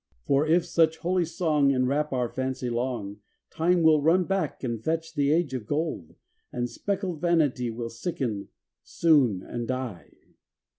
XIV For, if such holy song Enwrap our fancy long, Time will run back and fetch the Age of Gold; And speckled Vanity Will sicken soon and die.